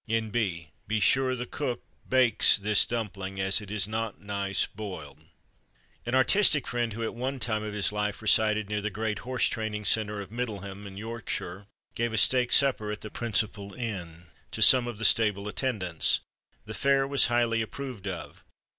N.B. Be sure the cook bakes this dumpling, as it is not nice boiled. An artistic friend who at one time of his life resided near the great horse training centre of Middleham, in Yorkshire, gave a steak supper at the principal inn, to some of the stable attendants. The fare was highly approved of.